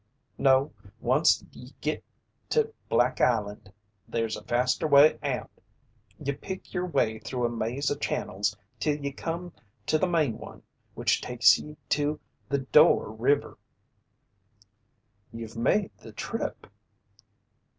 "No, oncst ye git to Black Island, there's a faster way out. Ye pick yer way through a maze o' channels 'till ye come to the main one which takes ye to the Door River." "You've made the trip?"